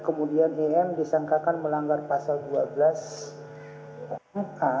setelah perbuatan iem disangka melanggar pasal dua belas a